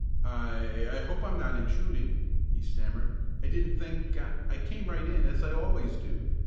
"I I hope I'm not intruding," he stammered. "I didn't think I came right in as I always do.